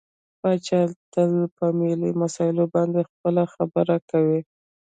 پاچا تل په ملي مسايلو باندې خپله خبرې کوي .